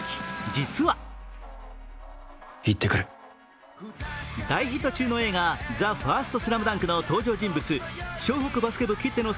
実は大ヒット中の映画「ＴＨＥＦＩＲＳＴＳＬＡＭＤＵＮＫ」の登場人物